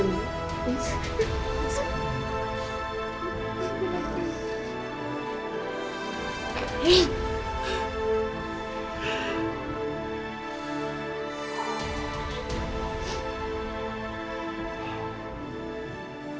luar biasa ilmiah